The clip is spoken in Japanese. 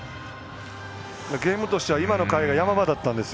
ゲームとしては今の回が山場だったんですよ。